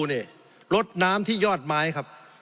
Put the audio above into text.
สงบจนจะตายหมดแล้วครับ